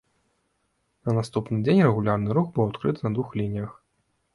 На наступны дзень рэгулярны рух быў адкрыты на двух лініях.